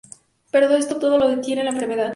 Pero todo esto lo detiene la enfermedad.